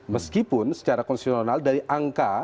meskipun secara konsesional dari angka